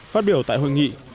phát biểu tại hội nghị